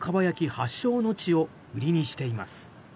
発祥の地を売りにしています。